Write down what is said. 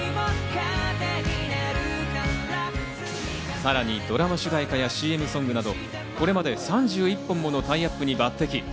さらにドラマ主題歌やＣＭソングなど、これまで３１本ものタイアップに抜てき。